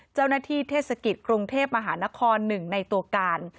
เจ้าหน้าที่เทศกิจกรุงเทพมหานคร๑ในตัวการ